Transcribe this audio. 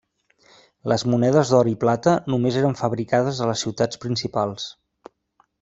Les monedes d'or i plata només eren fabricades a les ciutats principals.